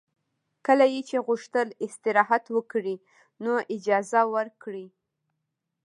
کله یې چې غوښتل استراحت وکړي نو اجازه ورکړئ